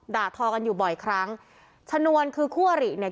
ทอกันอยู่บ่อยครั้งชนวนคือคู่อริเนี่ย